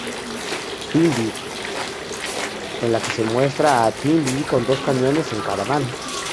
Twinbee" en la que se muestra a TwinBee con dos cañones en cada mano.